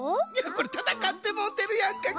これたたかってもうてるやんか。